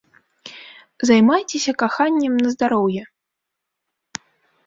Займайцеся каханнем на здароўе!